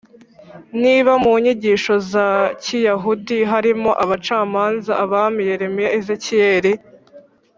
Niba mu nyigisho za Kiyahudi harimo Abacamanza Abami Yeremiya Ezekiyeli